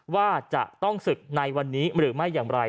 ว่าจะต้องศึกในวันนี้หรือไม่อย่างไร